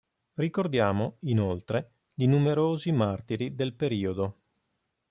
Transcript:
Ricordiamo, inoltre, di numerosi martiri del periodo.